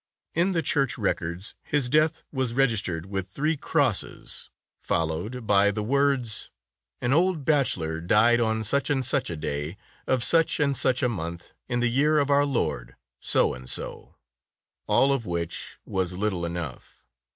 In the church records his death was registered with three crosses Tales of Modern Germany 93 followed by the words, "An old bachelor, died on such and such a day, of such and such a month, in the year of our Lord, so and so/' All of which was little enough.